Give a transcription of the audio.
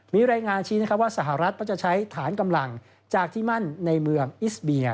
มีรายงานชี้นะครับว่าสหรัฐก็จะใช้ฐานกำลังจากที่มั่นในเมืองอิสเบีย